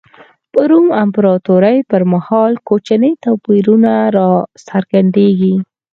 په روم امپراتورۍ پر مهال کوچني توپیرونه را څرګندېږي.